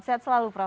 sehat selalu prof